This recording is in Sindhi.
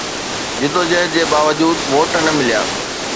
جدوجهد جي باوجود ووٽ نه مليا